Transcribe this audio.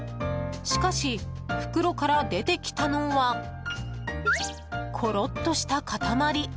しかし袋から出てきたのはころっとした塊。